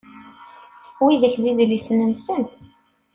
Widak d idlisen-nsen.